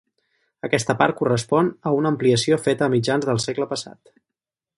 Aquesta part correspon a una ampliació feta a mitjans del segle passat.